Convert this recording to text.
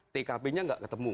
tkp nya nggak ketemu